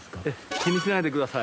気にしないでください。